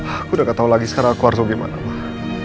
aku udah gak tau lagi sekarang aku harus gimana mah